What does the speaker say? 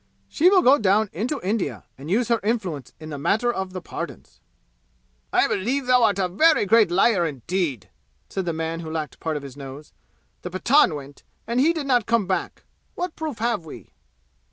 "She will go down into India and use her influence in the matter of the pardons!" "I believe thou art a very great liar indeed!" said the man who lacked part of his nose. "The Pathan went, and he did not come back. What proof have we."